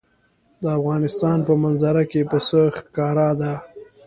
د افغانستان په منظره کې پسه ښکاره ده.